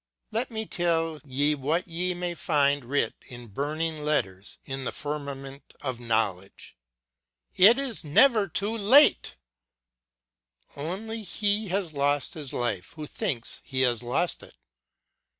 Let me tell ye what ye may find writ in burning letters in the firmament of knowledge : it is never too late I Only he has lost his life who thinks he has lost it.